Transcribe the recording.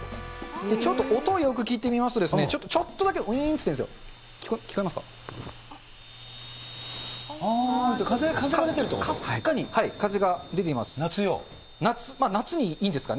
ちょっと音、よく聞いてみますと、ちょっとだけうぃんっていってるんですよ。